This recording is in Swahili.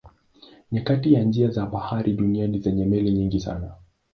Ni kati ya njia za bahari duniani zenye meli nyingi sana.